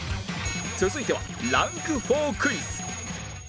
続いてはランク４クイズ